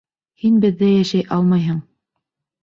Һин беҙҙә йәшәй алмайһың!